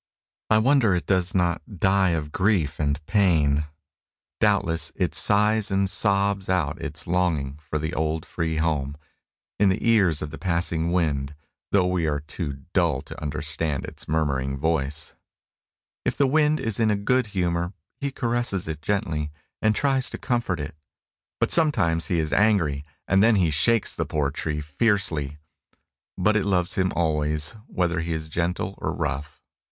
I wonder it does not die of grief and pain! Doubtless, it sighs and sobs out its longing for the old free home, in the ears of the passing wind, though we are too dull to understand its murmuring voice. If the wind is in a good humor, he caresses it gently, and tries to comfort it; but sometimes he is angry, and then he shakes the poor tree fiercely. But it loves him always, whether he is gentle or rough.